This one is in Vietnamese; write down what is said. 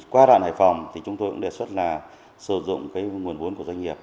qua đoạn hải phòng thì chúng tôi cũng đề xuất là sử dụng cái nguồn vốn của doanh nghiệp